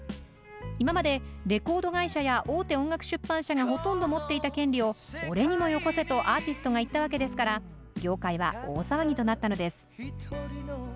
今までレコード会社や大手音楽出版社がほとんど持っていた権利を「俺にもよこせ」とアーティストが言ったわけですから業界は大騒ぎとなったのです。